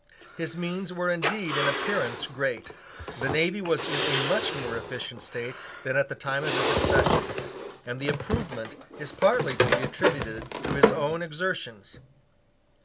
His means were indeed in appearance great. The navy was in a much more efficient state than at the time of his accession: and the improvement is partly to be attributed to his own exertions.